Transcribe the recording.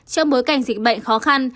trong bối cảnh dịch bệnh khó khăn